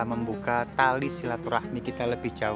bisa membuka tali silaturahmi kita lebih jauh lagi